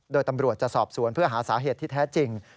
โดยตำรวจจะสอบสวนเพื่อหาสาเหตุที่แท้จริง